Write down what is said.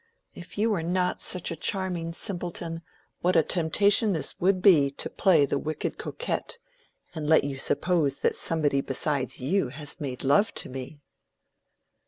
If you were not such a charming simpleton, what a temptation this would be to play the wicked coquette, and let you suppose that somebody besides you has made love to me."